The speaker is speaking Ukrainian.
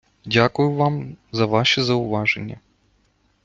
дякую вам за ваші зауваження!